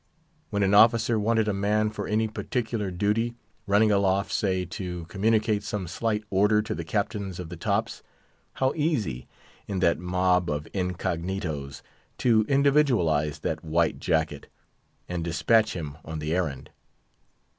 When an officer wanted a man for any particular duty—running aloft, say, to communicate some slight order to the captains of the tops—how easy, in that mob of incognitoes, to individualise "that white jacket," and dispatch him on the errand.